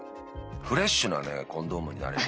フレッシュなねコンドームになれる。